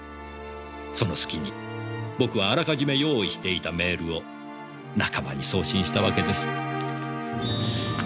そのすきに僕はあらかじめ用意していたメールを仲間に送信したわけです。